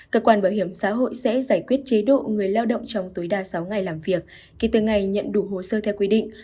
cơ quan bảo hiểm xã hội sẽ giải quyết chế độ người lao động trong tối đa sáu ngày làm việc kể từ ngày nhận đủ hồ sơ theo quy định